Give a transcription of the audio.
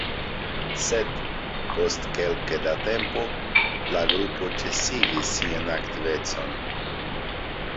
Sed, post kelke da tempo la grupo ĉesigis sian aktivecon.